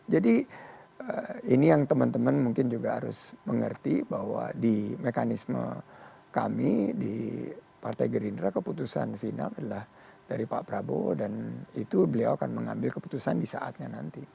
jadi ini yang teman teman mungkin juga harus mengerti bahwa di mekanisme kami di partai gerindra keputusan final adalah dari pak prabowo dan itu beliau akan mengambil keputusan di saatnya nanti